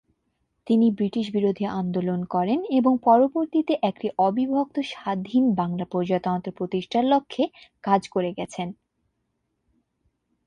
তিনি ব্রিটিশ বিরোধী আন্দোলন করেন ও পরবর্তীতে একটি অবিভক্ত স্বাধীন বাংলা প্রজাতন্ত্র প্রতিষ্ঠার লক্ষে কাজ করে গেছেন।